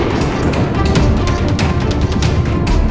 karena sudah jodoh